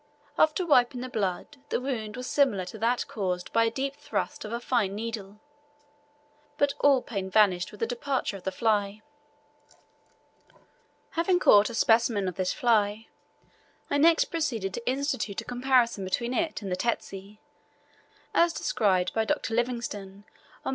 After wiping the blood the wound was similar to that caused by a deep thrust of a fine needle, but all pain had vanished with the departure of the fly. Having caught a specimen of this fly, I next proceeded to institute a comparison between it and the tsetse, as described by Dr. Livingstone on pp.